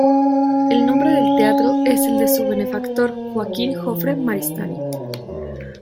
El nombre del teatro es el de su benefactor, Joaquín Jofre Maristany.